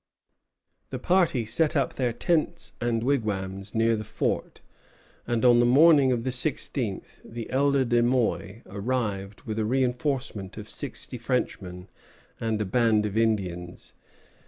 The party set up their tents and wigwams near the fort, and on the morning of the 16th the elder De Muy arrived with a reinforcement of sixty Frenchmen and a band of Indians.